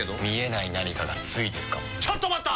見えない何かがついてるかも。